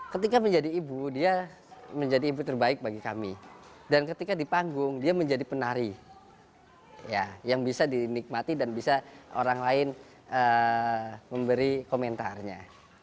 ketika menjadi ibu dia menjadi ibu terbaik bagi kami dan ketika di panggung dia menjadi penari yang bisa dinikmati dan bisa orang lain memberi komentarnya